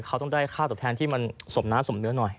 เขาต้องได้ค่าตอบแทนที่มันสมน้าสมเนื้อหน่อย